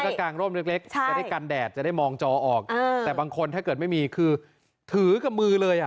ก็กางร่มเล็กจะได้กันแดดจะได้มองจอออกแต่บางคนถ้าเกิดไม่มีคือถือกับมือเลยอ่ะ